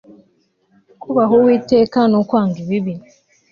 kubaha uwiteka ni ukwanga ibibi